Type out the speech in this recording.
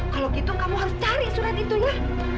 kalau gitu kamu harus cari surat itu ya